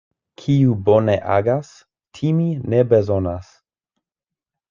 Kiu bone agas, timi ne bezonas.